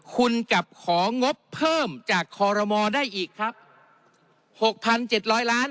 คุณกลับของงบเพิ่มจากคอรมอลได้อีกครับหกพันเจ็ดร้อยล้าน